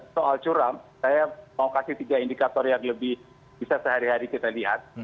soal curam saya mau kasih tiga indikator yang lebih bisa sehari hari kita lihat